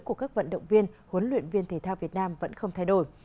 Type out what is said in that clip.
của các vận động viên huấn luyện viên thể thao việt nam vẫn không thay đổi